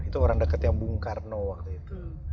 itu orang dekat yang bung karno waktu itu